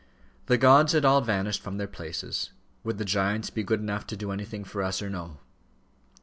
The gods had all vanished from their places. Would the giants be good enough to do anything for us or no?